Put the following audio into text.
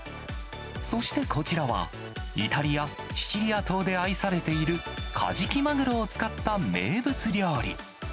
そしてこちらは、イタリア・シチリア島で愛されている、カジキマグロを使った名物料理。